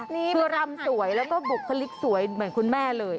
คือรำสวยแล้วก็บุคลิกสวยเหมือนคุณแม่เลย